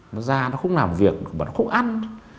nó ra nó không làm việc mà nó không ăn